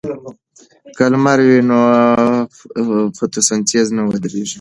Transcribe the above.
که لمر وي نو فوتوسنتیز نه ودریږي.